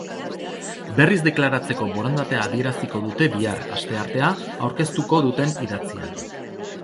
Berriz deklaratzeko borondatea adieraziko dute bihar, asteartea, aurkeztuko duten idatzian.